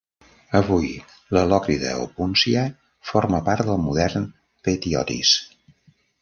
Avui, la Lòcrida Opúncia forma part del modern Phthiotis.